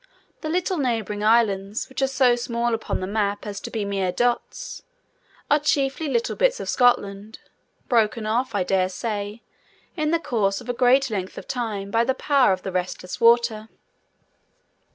The little neighbouring islands, which are so small upon the Map as to be mere dots, are chiefly little bits of Scotland,—broken off, I dare say, in the course of a great length of time, by the power of the restless water.